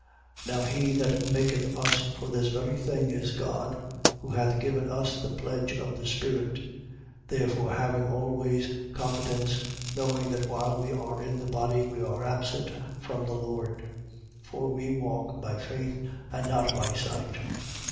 5:5. Now he that maketh us for this very thing is God, who hath given us the pledge of the Spirit, 5:6. Therefore having always confidence, knowing that while we are in the body we are absent from the Lord. 5:7. (For we walk by faith and not by sight.)